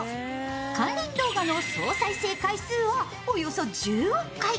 関連動画の総再生回数はおよそ１０億回。